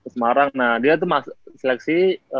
semarang nah dia tuh seleksi